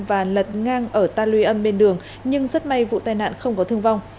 và lật ngang ở ta luy âm bên đường nhưng rất may vụ tai nạn không có thương vong